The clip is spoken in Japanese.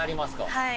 はい。